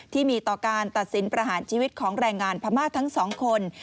ที่มีต่อการตัดสินประหารชีวิตของแรงงานพม่าทั้งสองคน